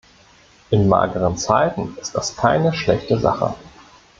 In mageren Zeiten ist das keine schlechte Sache!